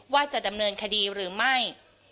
ว่าจะดำเนินคดีหรือไม่